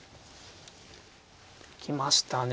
行きましたね。